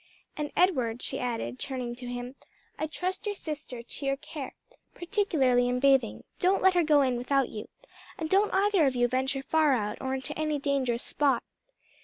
And Edward," she added, turning to him, "I trust your sister to your care, particularly in bathing: don't let her go in without you, and don't either of you venture far out or into any dangerous spot."